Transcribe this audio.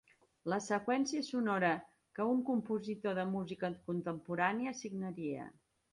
La seqüència sonora que un compositor de música contemporània signaria.